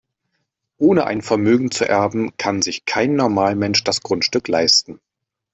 Ohne ein Vermögen zu erben, kann sich kein Normalmensch das Grundstück leisten.